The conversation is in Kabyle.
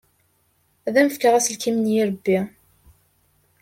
Ad am-fkeɣ aselkim n yirebbi.